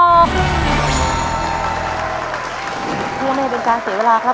ทั่วเมตรเป็นการเสียเวลาครับทุกชมครับ